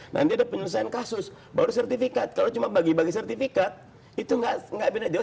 nanti ada penyelesaian kasus baru sertifikat kalau cuma bagi bagi sertifikat itu tidak bisa diubah dong